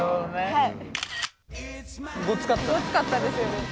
はい。